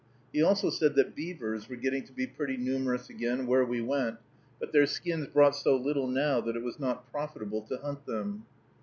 He also said that beavers were getting to be pretty numerous again, where we went, but their skins brought so little now that it was not profitable to hunt them.